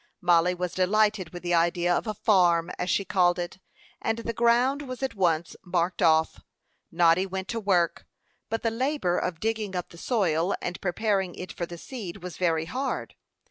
Mollie was delighted with the idea of a "farm," as she called it, and the ground was at once marked off. Noddy went to work; but the labor of digging up the soil, and preparing it for the seed, was very hard.